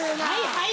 はい？